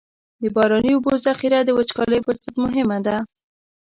د باراني اوبو ذخیره د وچکالۍ پر ضد مهمه ده.